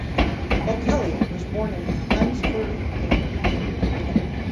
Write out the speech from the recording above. O'Kelly was born in Chelmsford, England.